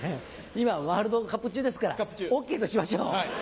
今ワールドカップ中ですからＯＫとしましょう。